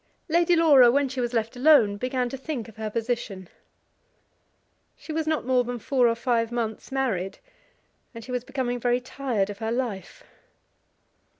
Lady Laura when she was left alone began to think of her position. She was not more than four or five months married, and she was becoming very tired of her life.